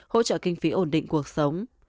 hỗ trợ kinh phí ổn định cuộc sống